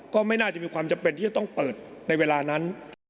ก็ไม่น่าจะมีความจำเป็นที่จะต้องเปิดในเวลานั้น